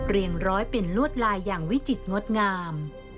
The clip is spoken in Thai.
ร้อยเป็นลวดลายอย่างวิจิตรงดงาม